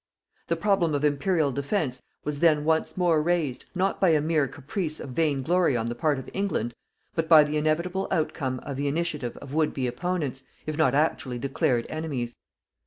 The problem of Imperial defence was then once more raised, not by a mere caprice of vain glory on the part of England, but by the inevitable outcome of the initiative of would be opponents, if not actually declared enemies.